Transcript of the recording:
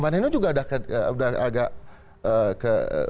mbak neno juga sudah agak